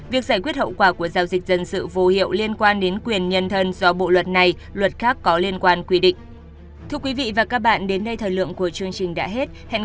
việc giải quyết hậu quả của giao dịch dân sự vô hiệu liên quan đến quyền nhân thân do bộ luật này luật khác có liên quan quy định